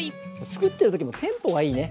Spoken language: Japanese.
作ってる時もテンポがいいね。